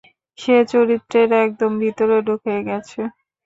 সে চরিত্রের একদম ভিতরে ঢুকে গেছে।